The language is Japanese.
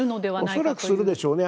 恐らくするでしょうね。